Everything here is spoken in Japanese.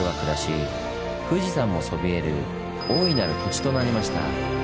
富士山もそびえる大いなる土地となりました。